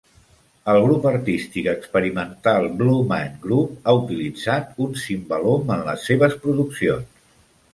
El grup artístic experimental Blue Man Group ha utilitzat un cimbalom en les seves produccions.